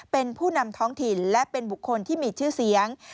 เป็นผู้นำท้องถิ่นและเป็นบุคคลที่มีชื่อเสียง